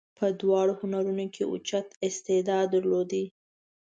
په دواړو هنرونو کې یې اوچت استعداد درلود.